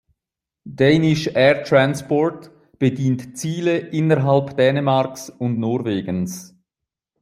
Danish Air Transport bedient Ziele innerhalb Dänemarks und Norwegens.